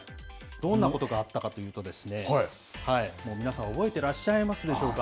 どんなことがあったかというとですね、皆さん、覚えてらっしゃいますでしょうか。